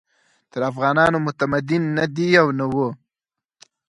تر افغانانو متمدن نه دي او نه وو.